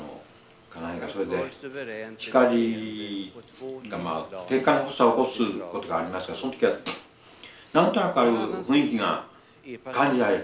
家内がそれで光がてんかん発作を起こすことがありますからその時は何となくああいう雰囲気が感じられるんです。